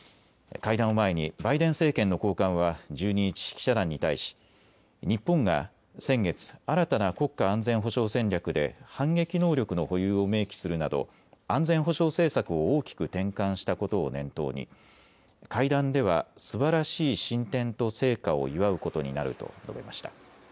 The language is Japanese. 会談を前にバイデン政権の高官は１２日、記者団に対し日本が先月、新たな国家安全保障戦略で反撃能力の保有を明記するなど安全保障政策を大きく転換したことを念頭に会談ではすばらしい進展と成果を祝うことになると述べました。